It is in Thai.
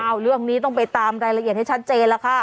เอาเรื่องนี้ต้องไปตามรายละเอียดให้ชัดเจนแล้วค่ะ